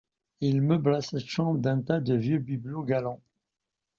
Il meubla cette chambre d’un tas de vieux bibelots galants.